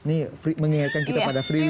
ini mengingatkan kita pada free will